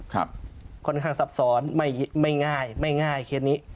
ค่อนข้างซับซ้อนไม่ไม่ง่ายไม่ง่ายเคสนี้